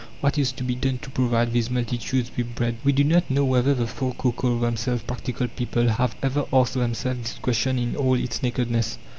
What is to be done to provide these multitudes with bread? We do not know whether the folk who call themselves "practical people" have ever asked themselves this question in all its nakedness.